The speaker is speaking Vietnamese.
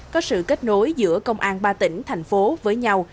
có sự kết nối giữa công an ba tỉnh thành phố với nhau